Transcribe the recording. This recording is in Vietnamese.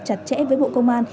chặt chẽ với bộ công an